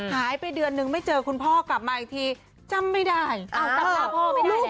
หายไปเดือนนึงไม่เจอคุณพ่อกลับมาอีกทีจำไม่ได้อ้าวจำหน้าพ่อไม่ได้เลย